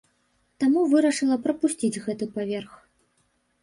Таму вырашыла прапусціць гэты паверх.